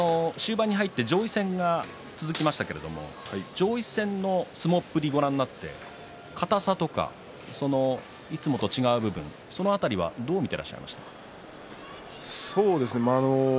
終盤に入って、上位戦が続きましたけども上位戦の相撲っぷりをご覧になって、かたさとかいつもと違う部分、その辺りはどう見ていましたか。